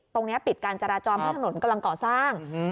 ตรงเนี้ยปิดการจราจอมให้ถนนกำลังก่อสร้างอือฮือ